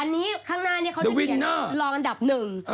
อันนี้ข้างหน้านี้เขาจะเขียนรองอันดับหนึ่ง